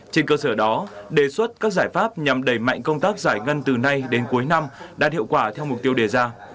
trên cơ sở đó đề xuất các giải pháp nhằm đẩy mạnh công tác giải ngân từ nay đến cuối năm đã hiệu quả theo mục tiêu đề ra